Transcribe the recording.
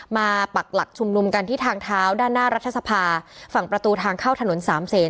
ปักหลักชุมนุมกันที่ทางเท้าด้านหน้ารัฐสภาฝั่งประตูทางเข้าถนนสามเศษ